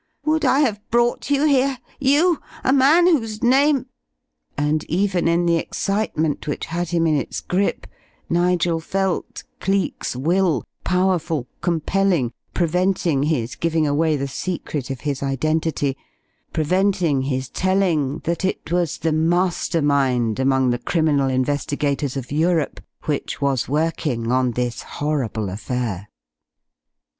Would I have brought you here, you, a man whose name " And even in the excitement which had him in its grip Nigel felt Cleek's will, powerful, compelling, preventing his giving away the secret of his identity, preventing his telling that it was the master mind among the criminal investigators of Europe which was working on this horrible affair.